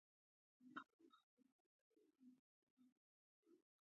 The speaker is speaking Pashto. دغه ډلې رسماً د طالبانو په کتار کې نه راځي